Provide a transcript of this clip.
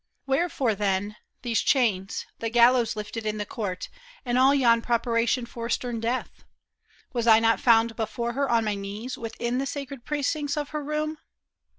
Wherefore then These chains, the gallows lifted in the court. And all yon preparation for stern death ? Was I not found before her on my knees Within the sacred precincts of her room